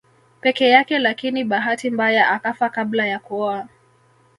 Peke yake lakini bahati mbaya akafa kabla ya kuoa